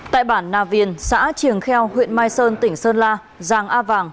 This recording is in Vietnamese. tại bản nà viên xã triềng kheo huyện mai sơn tỉnh sơn la giang a vàng